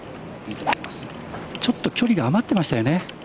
ちょっと距離が余っていましたよね。